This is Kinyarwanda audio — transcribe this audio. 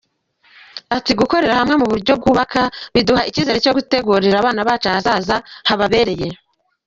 Ati “Gukorera hamwe mu buryo bwubaka, biduha icyizere cyo gutegurira abana bacu ahazaza hababereye.